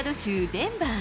デンバー